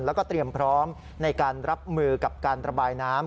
แล้วก็เตรียมพร้อมในการรับมือกับการระบายน้ำ